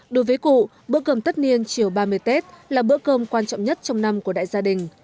đối với cụ bữa cơm tất niên chiều ba mươi tết là bữa cơm quan trọng nhất trong năm của đại gia đình